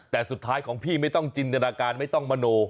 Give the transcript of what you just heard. แต่สุดท้ายของพี่ไม่ต้องจินตนาการไม่ต้องมโน